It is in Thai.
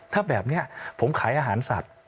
ถ้าแบบนี้ผมขายอาหารสัตว์